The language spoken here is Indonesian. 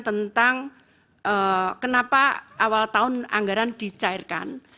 tentang kenapa awal tahun anggaran dicairkan